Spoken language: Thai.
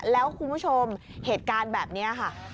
แล้วคุณผู้ชมเหตุการณ์แบบนี้ค่ะ